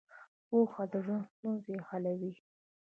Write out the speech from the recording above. پوهه د ژوند ستونزې حلوي.